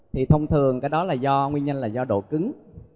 thì thông thường cái đó là do nguyên nhân là do độ cứng